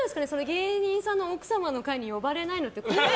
芸人さんの奥様の会に呼ばれないのって。